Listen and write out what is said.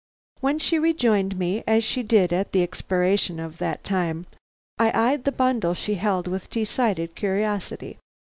When she rejoined me, as she did at the expiration of that time, I eyed the bundle she held with decided curiosity.